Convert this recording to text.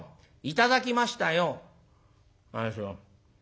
「頂きましたよ」。